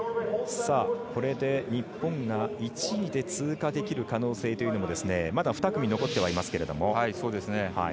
これで日本が１位で通過できる可能性というのがまだ２組残ってはいますけれども。